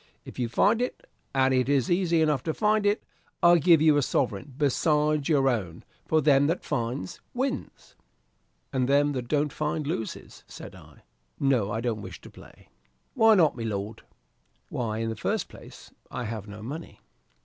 If you find it and it is easy enough to find it I give you a sovereign besides your own; for them that finds, wins." "And them that don't find, loses," said I. "No, I don't wish to play." "Why not, my lord?" "Why, in the first place, I have no money."